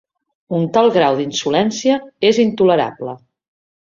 Un tal grau d'insolència és intolerable.